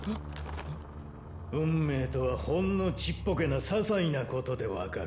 運命とはほんのちっぽけなささいなことでわかる。